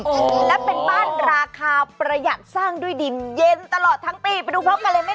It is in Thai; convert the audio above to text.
แล้วเป็นบ้านราคาประหยัดสร้างด้วยดินเย็นตลอดทั้งปี